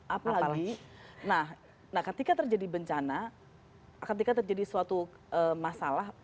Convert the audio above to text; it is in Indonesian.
apalagi nah ketika terjadi bencana ketika terjadi suatu masalah